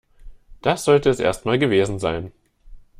Das sollte es erst mal gewesen sein.